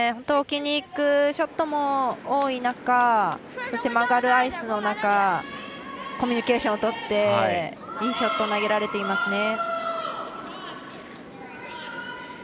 置きに行くショットも多い中そして曲がるアイスの中コミュニケーションを取っていいショットを投げられています。